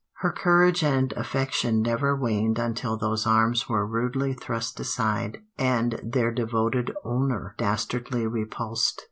Her courage and affection never waned until those arms were rudely thrust aside and their devoted owner dastardly repulsed.